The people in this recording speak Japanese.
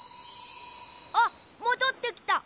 あっもどってきた。